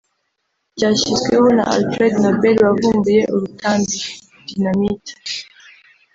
Cyashyizweho na Alfred Nobel wavumbuye urutambi (Dynamite)